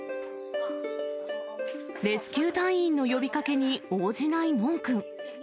レスキュー隊員の呼びかけに応じないノンくん。